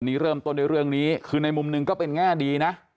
หนี้เริ่มต้นในเรื่องนี้คือในมุมหนึ่งก็เป็นง่าดีนะ